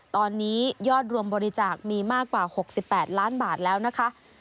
ตอนนี้ยอดรวมบริจาคมีมากกว่า๖๘ล้านบาทแล้วนะคะ